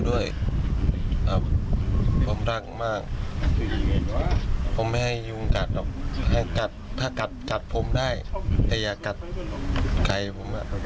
ครับผมรักมากผมไม่ให้ยุงกัดหรอกถ้ากัดกัดผมได้แต่อย่ากัดไก่ผมอ่ะ